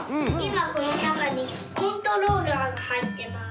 まこのなかにコントローラーがはいってます。